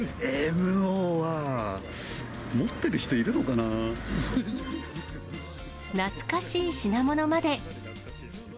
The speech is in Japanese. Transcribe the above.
ＭＯは、持ってる人いるのか懐かしい品物まで。